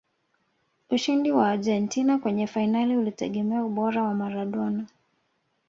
ushindi wa argentina kwenye fainali ulitegemea ubora wa maradona